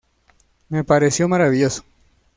Me pareció maravilloso.